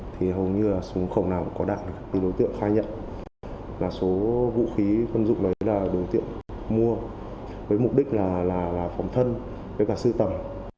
thì hầu như là súng không nào có đạn từ đối tượng khai nhận là số vũ khí quân dụng đấy là đối tượng mua với mục đích là phòng thân với cả sư tầm